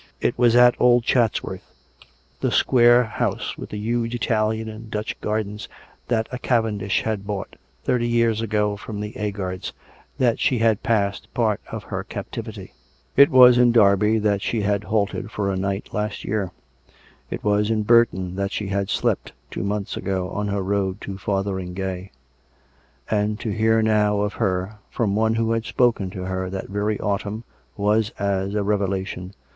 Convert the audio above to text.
It was at old Chatsworth — the square house with the huge Italian and Dutch gardens, that a Cavendish had bought thirty years ago from the Agards — that she had passed part of her captivity; it was in Derby that she had halted for a night last year ; it was near Burton that she had slept two months ago on her road to Fotheringay; and to hear now of her, from one who had spoken to her that very autumn, was as a revelation.